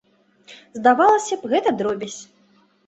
Здавалася б, гэта дробязь.